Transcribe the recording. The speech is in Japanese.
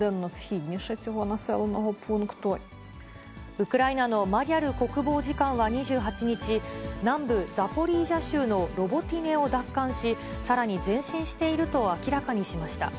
ウクライナのマリャル国防次官は２８日、南部ザポリージャ州のロボティネを奪還し、さらに前進していると明らかにしました。